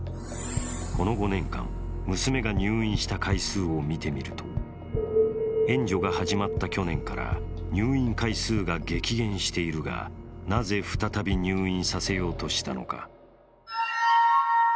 この５年間、娘が入院した回数を見てみると援助が始まった去年から入院回数が激減しているがなぜ再び入院させようとしたのか。